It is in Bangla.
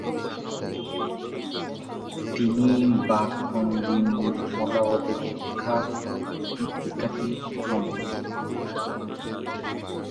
তিনি বামপন্থী মতবাদে দীক্ষিত হন।